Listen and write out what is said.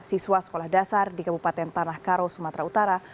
siswa sekolah dasar di kabupaten tanah karo sumatera utara